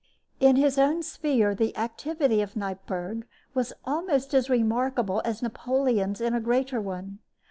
In his own sphere the activity of Neipperg was almost as remarkable as Napoleon's in a greater one.